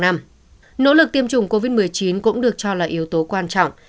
nỗ lực tiêm chủng covid một mươi chín cũng được cho là yếu tố quan trọng